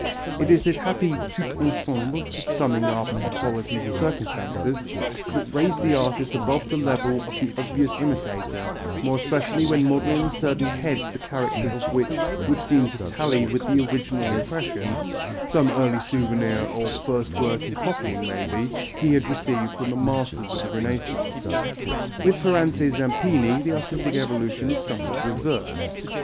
It is this happy tout ensemble (summing up of qualities and circumstances) that raised the artist above the level of the obvious imitator, more especially when modelling certain heads the character of which would seem to tally with the original impression some early souvenir or first work in copying maybe he had received from the masters of the Renaissance. With Ferrante Zampini the artistic evolution is somewhat reversed.